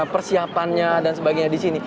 persiapannya dan sebagainya disini